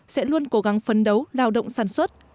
sẽ luôn cố gắng phấn đấu lao động sản xuất